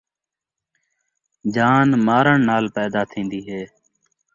جان مارݨ نال پیدا تھیندی ہے